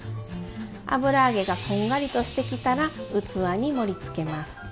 油揚げがこんがりとしてきたら器に盛りつけます。